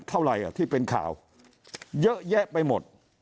ข้าวที่เป็นข่าวเยอะแยะไปหมด